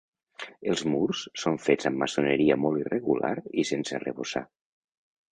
Els murs són fets amb maçoneria molt irregular i sense arrebossar.